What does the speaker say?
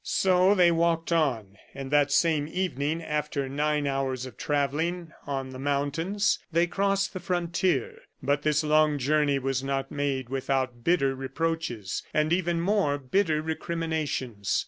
So they walked on, and that same evening, after nine hours of travelling on the mountains, they crossed the frontier. But this long journey was not made without bitter reproaches, and even more bitter recriminations.